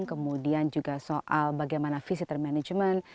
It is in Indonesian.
kemudian juga soal bagaimana visitor management